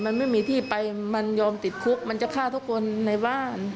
มันไม่มีที่ไปมันยอมติดคุกมันจะฆ่าทุกคนในบ้าน